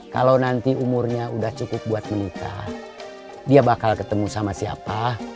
kalau nanti umurnya sudah cukup buat menikah dia bakal ketemu sama siapa